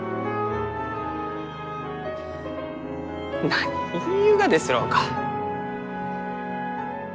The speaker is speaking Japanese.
何言いゆうがですろうか。